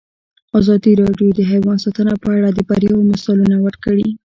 ازادي راډیو د حیوان ساتنه په اړه د بریاوو مثالونه ورکړي.